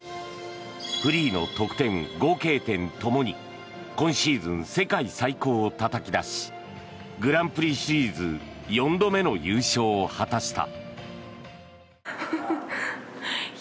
フリーの得点、合計点ともに今シーズン世界最高をたたき出しグランプリシリーズ４度目の優勝を果たした。